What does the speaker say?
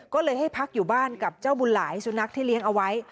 ก็เลยให้พักอยู่บ้านกับเจ้าบุญหลายสุนัขที่เลี้ยงเอาไว้